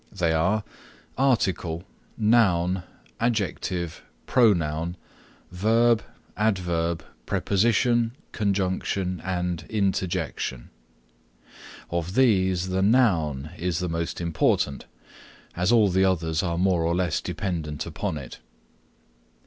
They are Article, Noun, Adjective, Pronoun, Verb, Adverb, Preposition, Conjunction and Interjection. Of these, the Noun is the most important, as all the others are more or less dependent upon it.